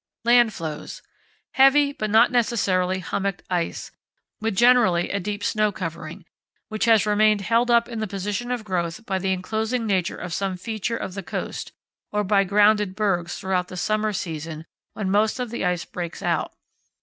Land floes. Heavy but not necessarily hummocked ice, with generally a deep snow covering, which has remained held up in the position of growth by the enclosing nature of some feature of the coast, or by grounded bergs throughout the summer season when most of the ice breaks out.